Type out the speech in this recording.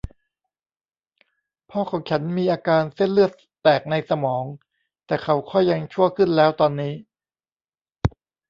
พ่อของฉันมีอาการเส้นเลือดแตกในสมอง แต่เขาค่อยยังชั่วขึ้นแล้วตอนนี้